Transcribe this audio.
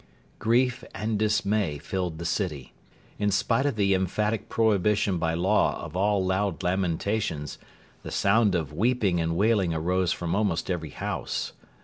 Grief and dismay filled the city. In spite of the emphatic prohibition by law of all loud lamentations, the sound of 'weeping and wailing arose from almost every house.'